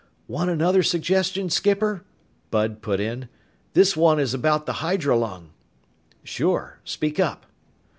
"Want another suggestion, skipper?" Bud put in. "This one is about the hydrolung." "Sure. Speak up."